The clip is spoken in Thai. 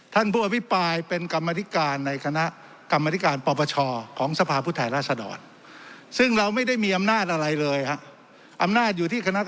ท่านผู้อภิปาย